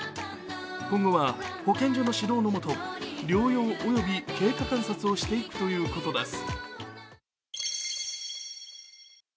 今後は保健所の指導のもと療養および経過観察をしていくということです。